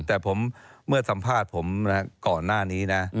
แต่ผมเมื่อสัมภาษณ์ผมก่อนหน้านี้นะ